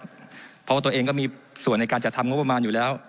เพราะว่าตัวเองก็มีส่วนในการจัดทำงบประมาณอยู่แล้ว